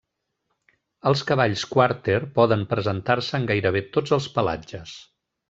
Els cavalls Quarter poden presentar-se en gairebé tots els pelatges.